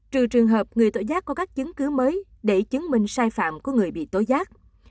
trừ trường hợp người tố giác có các chứng cứ mới để chứng minh sai phạm của người bị tối giác